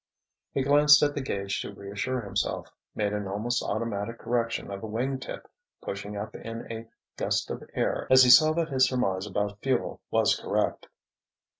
He glanced at the gauge to reassure himself, made an almost automatic correction of a wing tip, pushing up in a gust of air as he saw that his surmise about fuel was correct.